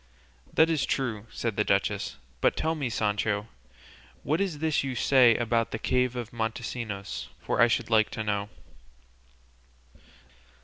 "That is true," said the duchess; "but tell me, Sancho, what is this you say about the cave of Montesinos, for I should like to know."